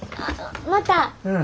また。